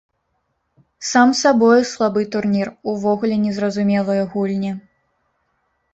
Сам сабою слабы турнір, увогуле не зразумелыя гульні.